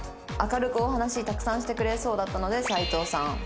「明るくお話たくさんしてくれそうだったので斉藤さん」。